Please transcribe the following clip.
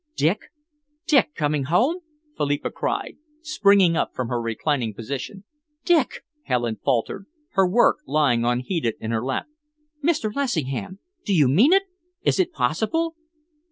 "Dick? Dick coming home?" Philippa cried, springing up from her reclining position. "Dick?" Helen faltered, her work lying unheeded in her lap. "Mr. Lessingham, do you mean it? Is it possible?"